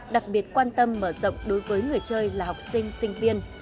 đặc biệt quan tâm mở rộng đối với người chơi là học sinh sinh viên